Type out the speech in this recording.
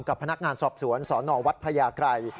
กับพนักงานสอบสวนสนวัดพญาไกร